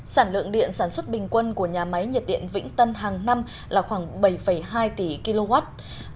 sản lượng điện sản xuất bình quân của nhà máy nhiệt điện vĩnh tân hàng năm là khoảng bảy hai tỷ kw